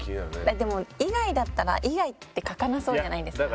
でも「以外」だったら「以外」って書かなそうじゃないですか？